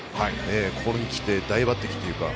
ここに来て大抜擢というか。